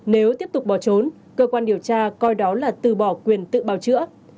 nếu tiếp tục bỏ trốn cơ quan điều tra coi đó là từ bỏ quyền tự bào chữa